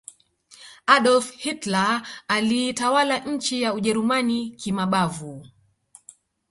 Adolf Hilter aliitawala nchi ya ujerumani kimabavu